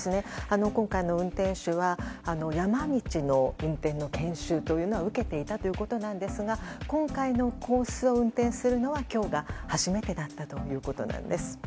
今回の運転手は山道の運転の研修は受けていたということですが今回のコースを運転するのは今日が初めてだったということです。